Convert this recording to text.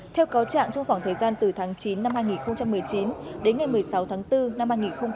theo cáo trạng trong khoảng thời gian từ tháng chín năm hai nghìn một mươi chín đến ngày một mươi sáu tháng bốn năm hai nghìn hai mươi